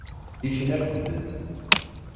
Ikna lqedd-nsen.